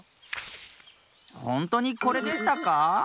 ほんとにこれでしたか？